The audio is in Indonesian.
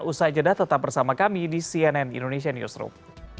usai jeda tetap bersama kami di cnn indonesia newsroom